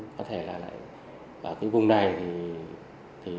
có thể là lại ở cái vùng này thì